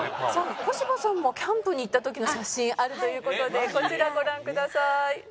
小芝さんもキャンプに行った時の写真あるという事でこちらご覧ください。